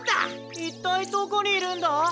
いったいどこにいるんだ？